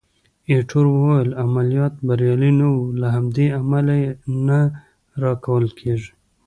ایټور وویل: عملیات بریالي نه وو، له همدې امله یې نه راکول کېږي.